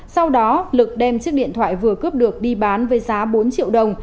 sau đó lực đem chiếc điện thoại vừa cướp được đi bán với giá bốn triệu đồng